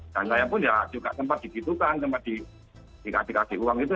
dan saya pun ya juga sempat digitukan sempat dikasih kasih uang gitu